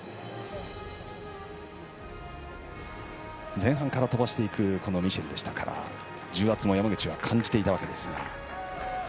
前半から飛ばしていくミシェルでしたから重圧も山口は感じていたわけですが。